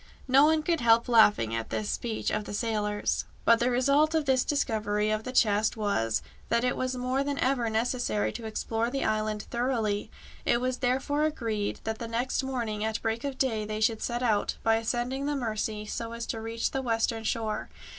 No one could help laughing at this speech of the sailor's. [Illustration: PENCROFT'S SUPERSTITION] But the result of this discovery of the chest was, that it was more than ever necessary to explore the island thoroughly. It was therefore agreed that the next morning at break of day they should set out, by ascending the Mercy so as to reach the western shore.